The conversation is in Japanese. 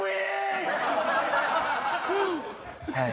はい。